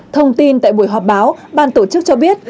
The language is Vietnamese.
thông tin tại buổi họp báo ban tổ chức cho biết